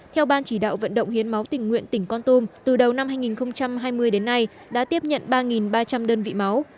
theo ban chỉ đạo vận động hiến máu tỉnh nguyện tỉnh con tum từ đầu năm hai nghìn hai mươi đến nay đã tiếp nhận ba ba trăm linh đơn vị máu